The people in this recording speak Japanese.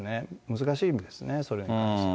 難しいですね、それに関しては。